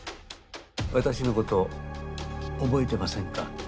私のこと覚えてませんか？